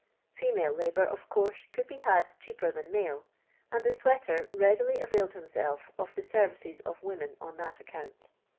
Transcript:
Femak labour, of course, could be had cbeaper than male, and the sweater readily aTailed himself of the service* of women on that account.